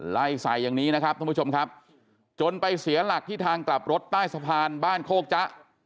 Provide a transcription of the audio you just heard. ไล่ใส่อย่างนี้นะครับท่านผู้ชมครับจนไปเสียหลักที่ทางกลับรถใต้สะพานบ้านโคกจ๊ะ